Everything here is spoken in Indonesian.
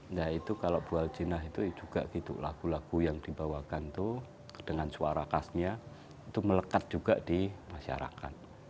nah itu kalau bu aljina itu juga gitu lagu lagu yang dibawakan itu dengan suara khasnya itu melekat juga di masyarakat